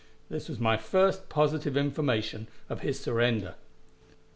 This was my first positive information of his surrender.